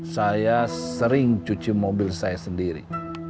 saya sering cuci mobil saya sendiri